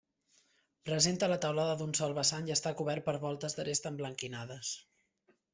Presenta la teulada d'un sol vessant i està cobert per voltes d'aresta emblanquinades.